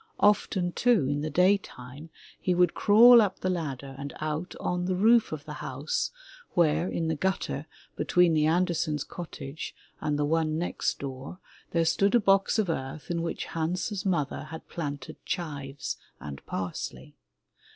Often, too, in the day time he would crawl up the ladder and out on the roof of the house where in the gut ter between the Andersen's cottage and the one next door, there stood a box of earth in which Hans's mother had planted chives and parsley.